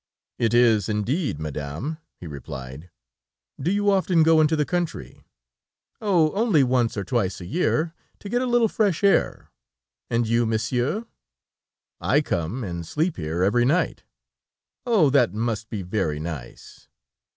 "It is, indeed, Madame," he replied; "do you often go into the country?" "Oh! Only once or twice a year, to get a little fresh air; and you, monsieur?" "I come and sleep here every night." "Oh! That must be very nice?"